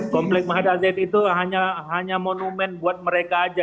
komplek mahad al zaitun itu hanya monumen buat mereka saja